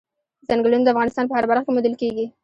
ځنګلونه د افغانستان په هره برخه کې موندل کېږي.